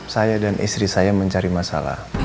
saya dan istri saya mencari masalah